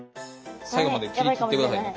最後まで切りきってくださいね。